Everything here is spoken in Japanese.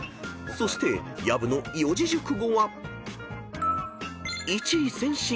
［そして薮の「四字熟語」は］